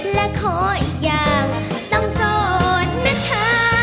และขออีกอย่างต้องโสดนะเธอ